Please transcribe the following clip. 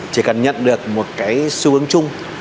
chỉ cần nhận được một cái xu hướng chung